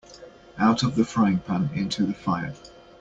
Out of the frying-pan into the fire.